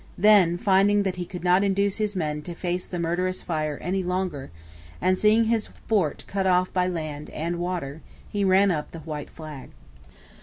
Then, finding that he could not induce his men to face the murderous fire any longer, and seeing his fort cut off by land and water, he ran up the white flag.